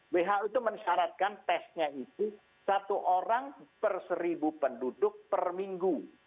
who itu mensyaratkan tesnya itu satu orang per seribu penduduk per minggu